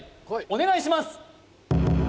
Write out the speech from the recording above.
お願いします